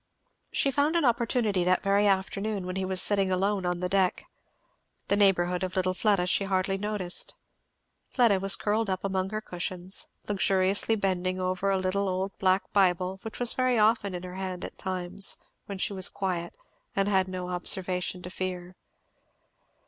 She found an opportunity that very afternoon when he was sitting alone on the deck. The neighbourhood of little Fleda she hardly noticed. Fleda was curled up among her cushions, luxuriously bending over a little old black Bible which was very often in her hand at times when she was quiet and had no observation to fear.